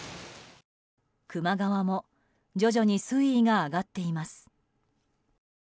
球磨川も徐々に水位が上がっています。